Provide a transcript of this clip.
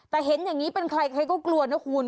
แต่เห็นอย่างนี้เป็นใครใครก็กลัวนะคุณ